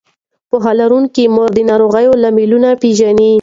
پوهه لرونکې مور د ناروغۍ لاملونه پېژني.